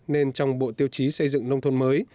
nên trong bộ tiêu chí xây dựng nông thôn mới